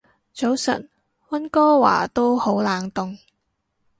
早晨，溫哥華都好冷凍